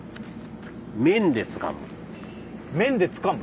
面でつかむ。